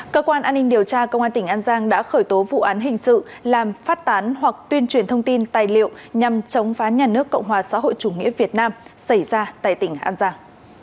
cơ quan an ninh điều tra công an tỉnh an giang đã khởi tố vụ án hình sự làm phát tán hoặc tuyên truyền thông tin tài liệu nhằm chống phá nhà nước cộng hòa xã hội chủ nghĩa việt nam xảy ra tại tỉnh an giang